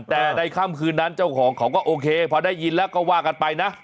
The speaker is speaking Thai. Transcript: แต่ในค่ำคืนนั้นเจ้าของเขาก็โอเคพอได้ยินแล้วก็ว่ากันไปนะ